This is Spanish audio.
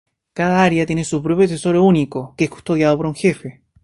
Cada área tiene su propio tesoro único que es custodiado por un jefe.